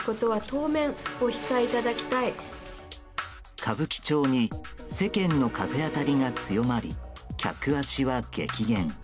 歌舞伎町に世間の風当たりが強まり客足は激減。